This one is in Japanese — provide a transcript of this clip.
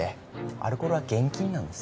アルコールは厳禁なんです